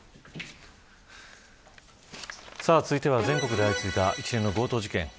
続いては全国で相次いだ一連の強盗事件。